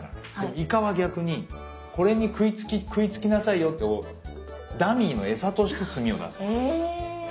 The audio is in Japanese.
イカは逆にこれに食いつきなさいよとダミーの餌として墨を出す。